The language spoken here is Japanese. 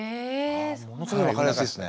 ものすごい分かりやすいですね。